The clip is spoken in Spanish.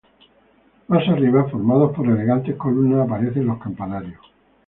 Más arriba, formados por elegantes columnas, aparecen los campanarios.